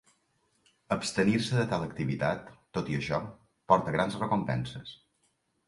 Abstenir-se de tal activitat, tot i això, porta grans recompenses.